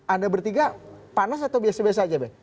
anda bertiga panas atau biasa biasa aja deh